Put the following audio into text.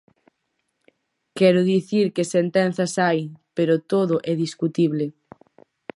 Quero dicir que sentenzas hai, pero todo é discutible.